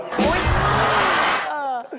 อุ๊ย